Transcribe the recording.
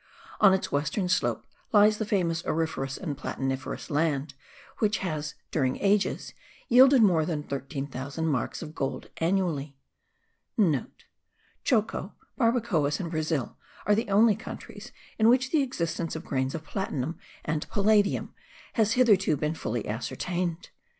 On its western slope lies the famous auriferous and platiniferous land,* which has during ages yielded more than 13,000 marks of gold annually. (* Choco, Barbacoas and Brazil are the only countries in which the existence of grains of platinum and palladium has hitherto been fully ascertained.